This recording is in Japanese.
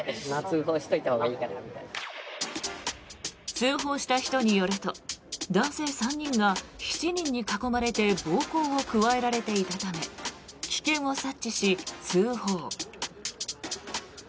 通報した人によると男性３人が７人に囲まれて暴行を加えられていたため危険を察知し、通報。